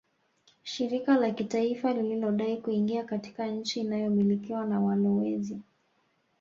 Shirika la kitaifa lilodai kuingia katika nchi iliyomilikwa na walowezi